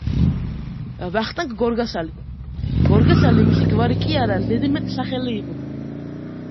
''ვახტანგ გორგასალი'' გორგასალი მისი გვარი კი არა ზედმეტ სახელი იყო.